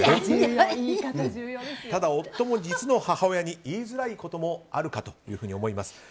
ただ、夫も実の母親に言いづらいこともあるかと思います。